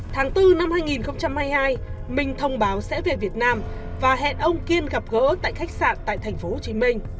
tháng bốn năm hai nghìn hai mươi hai minh thông báo sẽ về việt nam và hẹn ông kiên gặp gỡ tại khách sạn tại tp hcm